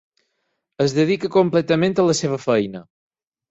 Es dedica completament a la seva feina.